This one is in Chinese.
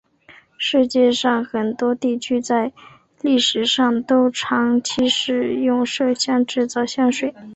世界上很多地区在历史上都长期使用麝香制造香水。